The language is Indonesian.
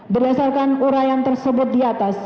berdasarkan urayan tersebut diatas